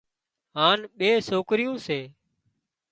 هانَ ٻي سوڪريون سي۔